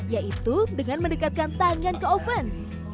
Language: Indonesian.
yaitu dengan mendekatkan tangan ke oven